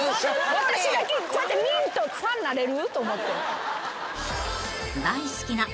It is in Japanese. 私だけこうやって見んとファンなれる？と思って。